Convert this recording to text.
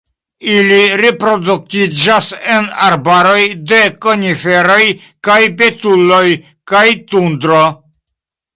Ili reproduktiĝas en arbaroj de koniferoj kaj betuloj kaj tundro.